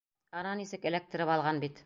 Ана нисек эләктереп алған бит!